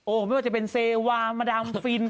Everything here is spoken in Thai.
ไม่ว่าจะเป็นเซวามาดามฟิน